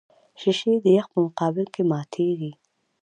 شیشې د یخ په مقابل کې ماتېږي.